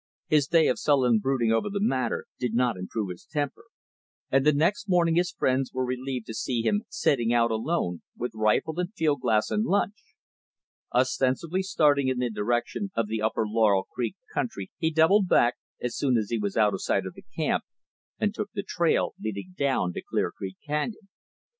His day of sullen brooding over the matter did not improve his temper; and the next morning his friends were relieved to see him setting out alone, with rifle and field glass and lunch. Ostensibly starting in the direction of the upper Laurel Creek country he doubled back, as soon as he was out of sight of camp, and took the trail leading down to Clear Creek canyon.